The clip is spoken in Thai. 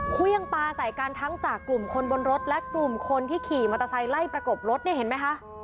เครื่องปลาใส่กันทั้งจากกลุ่มคนบนรถและกลุ่มคนที่ขี่มอเตอร์ไซค์ไล่ประกบรถเนี่ยเห็นไหมคะ